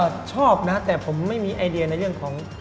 ก็ชอบนะแต่ผมไม่มีไอเดียในเรื่องของ